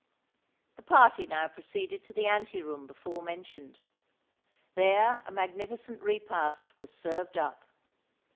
The party now proceeded to the ante room before mentioned. There a magnificent repast was served up.